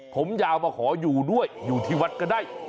ผมยาวมาขออยู่ด้วยอยู่ที่วัดก็ได้